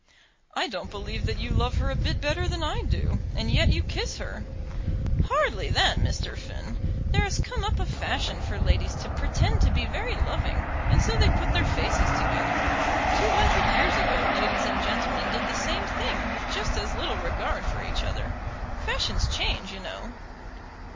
"I don't believe that you love her a bit better than I do, and yet you kiss her." "Hardly that, Mr. Finn. There has come up a fashion for ladies to pretend to be very loving, and so they put their faces together. Two hundred years ago ladies and gentlemen did the same thing with just as little regard for each other. Fashions change, you know."